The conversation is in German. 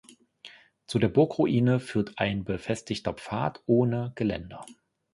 Zu der Burgruine führt ein befestigter Pfad ohne Geländer.